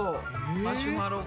マシュマロが。